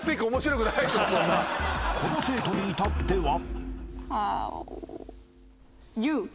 ［この生徒に至っては］Ｍｅ？